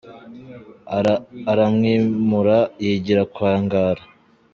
Aramwimura yigira kwa Ngara !.